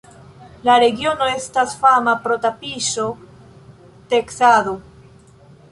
La regiono estas fama pro tapiŝo-teksado.